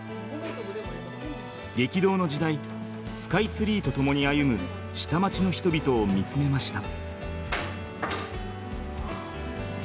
激動の時代スカイツリーと共に歩む下町の人々を見つめました。